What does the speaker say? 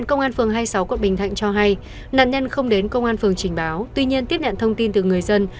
công an không đến công an phường trình báo tuy nhiên tiếp nhận thông tin từ người dân